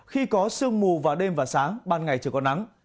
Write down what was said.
khi có sương mù vào đêm và sáng ban ngày trời có nắng